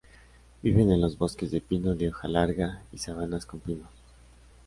Viven en los bosques de pino de hoja larga y sabanas con pinos.